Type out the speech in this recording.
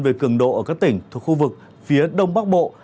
về cường độ ở các tỉnh thuộc khu vực phía đông bắc bộ